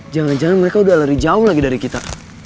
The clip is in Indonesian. jangan jangan mereka udah lari jauh lagi dari kita